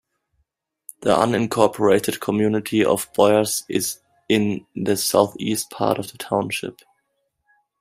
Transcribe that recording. The unincorporated community of Boyers is in the southeast part of the township.